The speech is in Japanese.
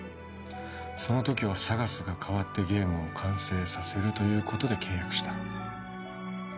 そのときはＳＡＧＡＳが代わってゲームを完成させるということで契約した。